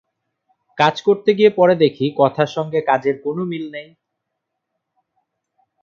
কাজ করতে গিয়ে পরে দেখি, কথার সঙ্গে কাজের কোনো মিল নেই।